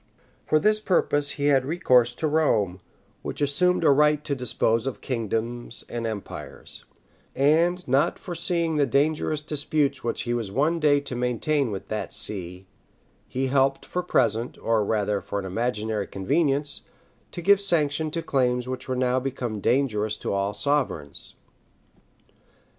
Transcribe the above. For this purpose he had recourse to Rome, which assumed a right to dispose of kingdoms and empires; and not foreseeing the dangerous disputes which he was one day to maintain with that see, he helped, for present, or rather for an imaginary convenience, to give sanction to claims which were now become dangerous to all sovereigns.